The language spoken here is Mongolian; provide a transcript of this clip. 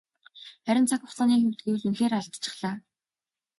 Харин цаг хугацааны хувьд гэвэл үнэхээр алдчихлаа.